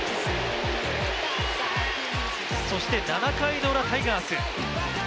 そして７回のウラ、タイガース。